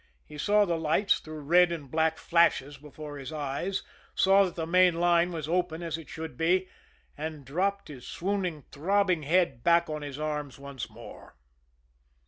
He saw the lights through red and black flashes before his eyes, saw that the main line was open as it should be and dropped his swooning, throbbing head back on his arms once more.